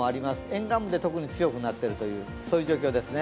沿岸部で特に強くなっているという状況ですね。